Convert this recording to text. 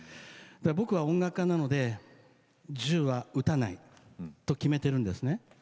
僕は音楽家なので銃は撃たないと決めているんですね。